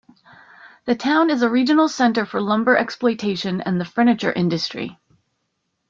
The town is a regional center for lumber exploitation and the furniture industry.